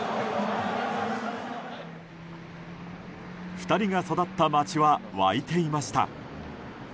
２人が育った町は沸いていました。